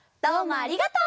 ありがとう！